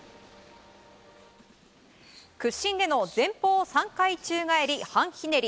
屈伸での前方３回宙返り半ひねり